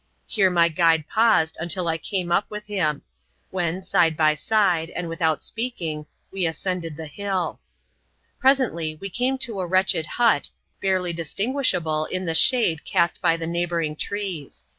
Here my guide paused until I came up with him; when, side by side, and without speaking, we ascended the hill. * Presently, we came to a wretched hut, barely distinguishable in the shade cast by the neighbouring trees.